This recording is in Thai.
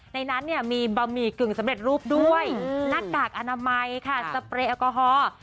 ในนั้นเนี่ยมีบะหมี่กึ่งสำเร็จรูปด้วยหน้ากากอนามัยค่ะสเปรย์แอลกอฮอล์